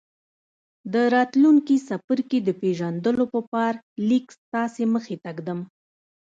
د راتلونکي څپرکي د پېژندلو په پار ليک ستاسې مخې ته ږدم.